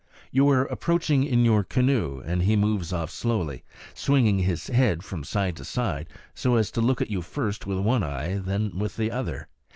You are approaching in your canoe, and he moves off slowly, swinging his head from side to side so as to look at you first with one eye, then with the other.